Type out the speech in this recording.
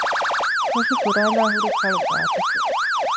ފޮށި ފުރާލާ ހުރީ ކަޅު ގާތަކެއް